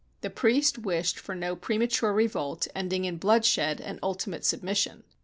The priests wished for no premature revolt, ending in bloodshed and ultimate sub mission.